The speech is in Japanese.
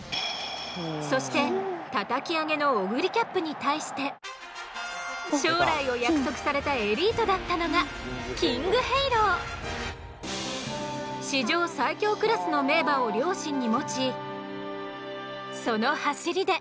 そしてたたき上げのオグリキャップに対して将来を約束されたエリートだったのが史上最強クラスの名馬を両親に持ちその走りで。